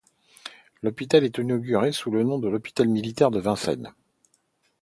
L'hôpital est inauguré le sous le nom d'hôpital militaire de Vincennes.